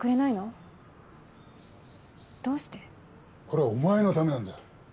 これはお前のためなんだ。